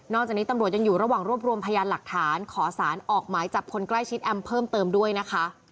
จากนี้ตำรวจยังอยู่ระหว่างรวบรวมพยานหลักฐานขอสารออกหมายจับคนใกล้ชิดแอมเพิ่มเติมด้วยนะคะ